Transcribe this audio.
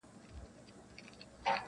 پر توپانو دي مېنه آباده -